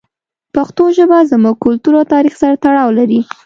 پښتو ژبه زموږ کلتور او تاریخ سره تړاو لري.